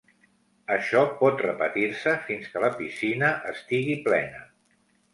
Això pot repetir-se fins que la piscina estigui plena.